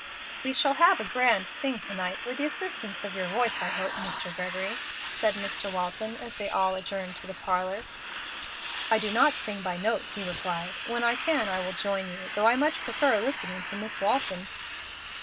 "We shall have a grand sing to night with the assistance of your voice, I hope, Mr. Gregory," said Mr. Walton, as they all adjourned to the parlor. "I do not sing by note," he replied. "When I can I will join you, though I much prefer listening to Miss Walton."